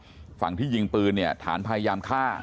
ทางฝั่งที่ยิงปื้นฐานพยายามฆ่า